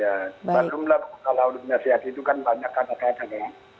ya baru melakukan kesehatan itu kan banyak anak anak